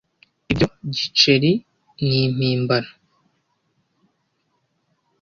Ibyo giceri ni impimbano.